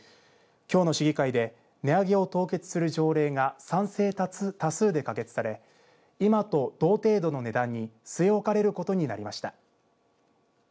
きょうの市議会で値上げを凍結する条例が賛成多数で可決され今と同程度の値段に据え置かれることになりました。